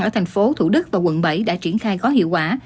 ở thành phố thủ đức và quận bảy đã triển khai có hiệu quả